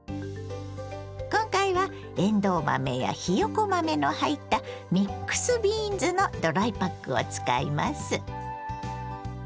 今回はえんどう豆やひよこ豆の入ったミックスビーンズのドライパックを使います。